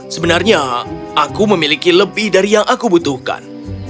sebenarnya aku memiliki lebih dari yang aku butuhkan